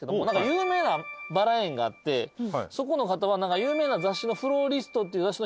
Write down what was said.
なんか有名なバラ園があってそこの方は有名な雑誌の『フローリスト』っていう